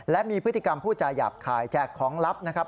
และมีพฤติกรรมผู้จาหยาบคายแจกของลับนะครับ